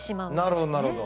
なるほどなるほど。